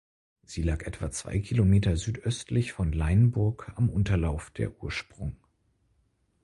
Sie lag etwa zwei Kilometer südöstlich von Leinburg am Unterlauf der Ursprung.